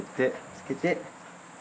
つけて。